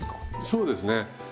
そうですね。